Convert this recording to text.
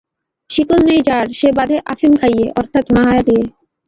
শিকল নেই যার সে বাঁধে আফিম খাইয়ে, অর্থাৎ মায়া দিয়ে।